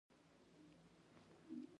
ټول ورته له خنداوو سره حیران و.